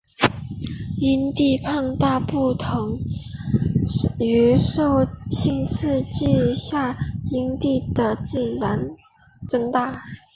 阴蒂肥大不同于性刺激下阴蒂的自然增大。